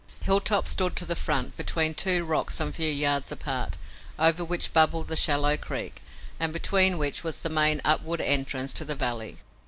Hilltop stood to the front, between two rocks some few yards apart, over which bubbled the shallow creek, and between which was the main upward entrance to the valley.